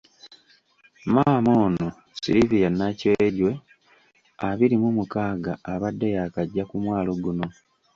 Maama ono, Sylvia Nakyejwe abiri mu mukaaga, abadde yaakajja ku mwalo guno.